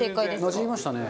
なじみましたね。